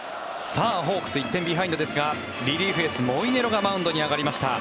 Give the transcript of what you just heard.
ホークス、１点ビハインドですがリリーフエース、モイネロがマウンドに上がりました。